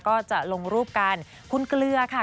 ก็จะลงรูปกันคุณเกลือค่ะ